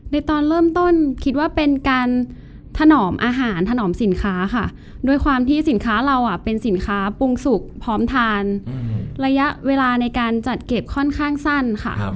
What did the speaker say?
ในตอนเริ่มต้นคิดว่าเป็นการถนอมอาหารถนอมสินค้าค่ะด้วยความที่สินค้าเราเป็นสินค้าปรุงสุกพร้อมทานระยะเวลาในการจัดเก็บค่อนข้างสั้นค่ะ